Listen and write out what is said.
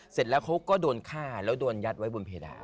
เสร็จแล้วเขาก็โดนฆ่าแล้วโดนยัดไว้บนเพดาน